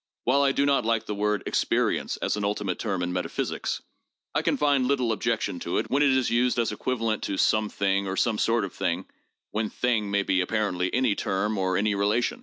"While I do not like the word 'experience' as an ulti mate term in metaphysics, I can find little objection to it when it is 576 THE JOURNAL OF PHILOSOPHY used as equivalent to 'some thing' or 'some sort of thing,' when 'thing' may be, apparently, any term or any relation.